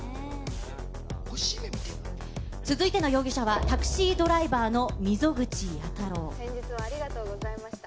続いての容疑者は、タクシードライバーの溝口弥太郎。